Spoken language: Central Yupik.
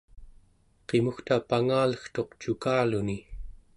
qimugta pangalegtuq cukaluni